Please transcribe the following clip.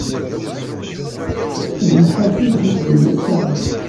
D nnḥas i yetthuddun assaɣen.